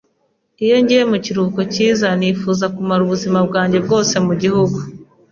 Iyo ngiye mu kiruhuko cyiza, nifuza kumara ubuzima bwanjye bwose mu gihugu.